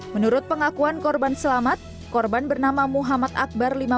menurut pengakuan korban selamat korban bernama muhammad akbar